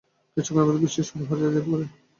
কিছুক্ষণের মধ্যে বৃষ্টি শুরু হয়ে যেতে পারে।